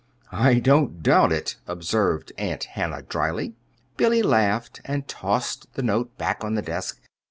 "I don't doubt it," observed Aunt Hannah, dryly. Billy laughed, and tossed the note back on the desk.